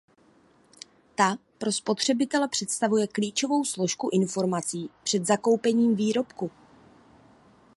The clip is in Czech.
Ta pro spotřebitele představuje klíčovou složku informací před zakoupením výrobku.